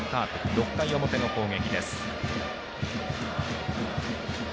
６回表の攻撃です。